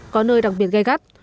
có nơi đặc biệt gai gắt